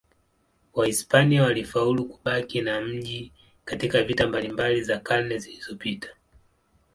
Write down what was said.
Wahispania walifaulu kubaki na mji katika vita mbalimbali za karne zilizofuata.